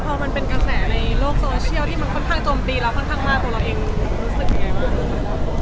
พอมันเป็นกระแสในโลกโซเชียลที่มันค่อนข้างโจมตีเราค่อนข้างมากตัวเราเองรู้สึกยังไงบ้าง